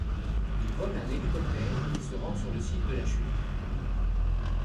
Il vole un hélicoptère et se rend sur le site de la Chute.